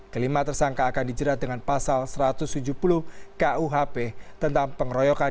kelima tersangka akan dijerat dengan pasal satu ratus tujuh puluh kuhp tentang pengeroyokan